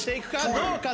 どうか？